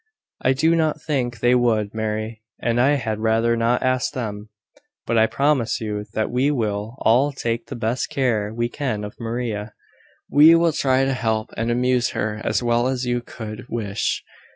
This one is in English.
"I do not think they would, Mary: and I had rather not ask them. But I promise you that we will all take the best care we can of Maria. We will try to help and amuse her as well as you could wish."